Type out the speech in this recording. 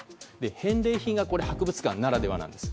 返礼品が博物館ならではなんです。